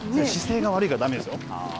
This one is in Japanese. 姿勢が悪いのはだめですよ。